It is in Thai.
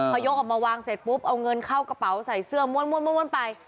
พอยกออกมาวางเสร็จปุ๊บเอาเงินเข้ากระเป๋าใส่เสื้อม่วนไป